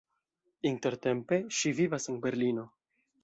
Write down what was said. Intertempe ŝi vivas en Berlino.